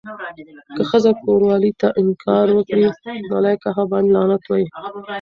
که ښځه کوروالې ته انکار وکړي، ملايکه هغه باندې لعنت وایی.